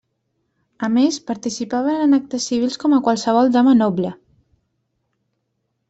A més, participaven en actes civils com a qualsevol dama noble.